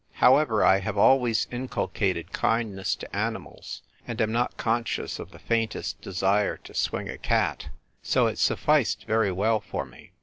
However, I . have always inculcated kindness to animals, and am not conscious of the faintest desire to swing a cat ; so it sufficed very well for me.